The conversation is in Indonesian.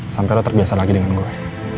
sampai lo terbiasa lagi dengan gue